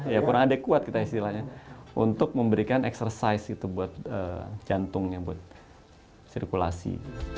ya kurang adekuat kita istilahnya untuk memberikan eksersis itu buat jantungnya buat sirkulasi